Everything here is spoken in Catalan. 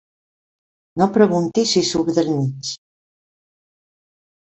No preguntis i surt del mig.